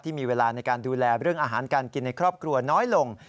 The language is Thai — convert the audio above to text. มีเวลาในการดูแลเรื่องอาหารการกินในครอบครัวน้อยลง